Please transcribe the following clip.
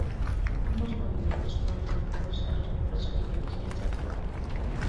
Ambos movimientos fueron limitados a los miembros de la intelligentsia croata.